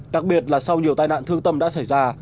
đặc biệt là sau nhiều tai nạn thương tâm đã xảy ra